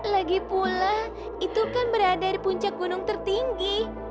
lagi pula itu kan berada di puncak gunung tertinggi